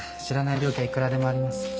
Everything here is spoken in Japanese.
知らない病気はいくらでもあります。